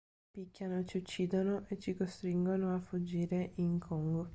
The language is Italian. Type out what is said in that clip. Ci picchiano, ci uccidono e ci costringono a fuggire in Congo.”